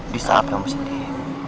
di saat kamu sedih